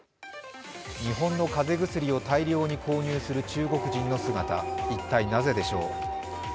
日本の風邪薬を大量に購入する中国人の姿、一体なぜでしょう。